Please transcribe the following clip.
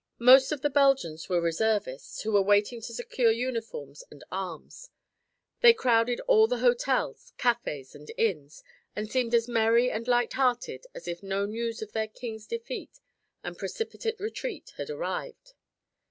Most of the Belgians were reservists who were waiting to secure uniforms and arms. They crowded all the hotels, cafés and inns and seemed as merry and light hearted as if no news of their king's defeat and precipitate retreat had arrived.